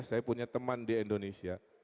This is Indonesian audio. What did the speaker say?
saya punya teman di indonesia